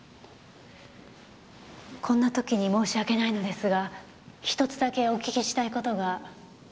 こんな時に申し訳ないのですが１つだけお聞きしたい事が。